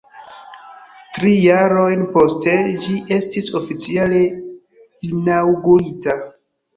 Tri jarojn poste ĝi estis oficiale inaŭgurita.